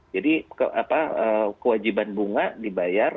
jadi kewajiban bunga dibayar